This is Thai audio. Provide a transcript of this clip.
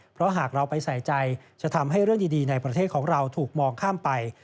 เพราะหากเราไปใส่ใจจะทำให้เรื่องดีในประเทศของเราถูกมองข้ามไป